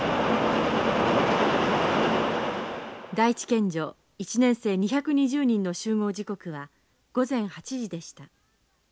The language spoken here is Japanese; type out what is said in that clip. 第一県女１年生２２０人の集合時刻は午前８時でした。